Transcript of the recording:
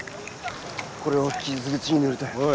これを傷口に塗るとよい。